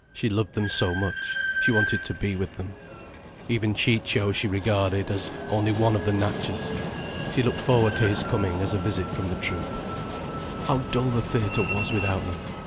She loved them so much, she wanted to be with them. Even Ciccio she regarded as only one of the Natchas. She looked forward to his coming as to a visit from the troupe. How dull the theatre was without them!